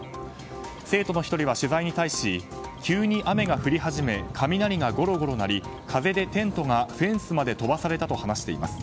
生徒の１人は取材に対し急に雨が降り始め雷がゴロゴロ鳴り風でテントがフェンスまで飛ばされたと話しています。